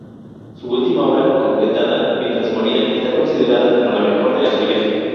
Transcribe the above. Su última obra, completada mientras moría, está considerada como la mejor de las suyas.